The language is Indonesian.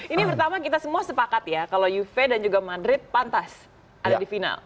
ini pertama kita semua sepakat ya kalau juve dan juga madrid pantas ada di final